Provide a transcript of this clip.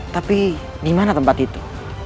tapi dimana tempat itu